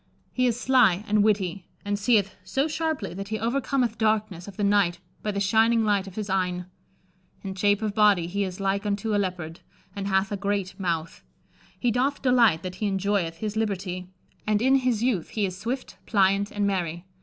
He is slye and wittie, and seeth so sharpely that he overcommeth darkness of the nighte by the shyninge lyghte of his eyne. In shape of body he is like unto a Leoparde, and hathe a greate mouthe. He doth delighte that he enjoyeth his libertie; and in his youth he is swifte, plyante, and merye.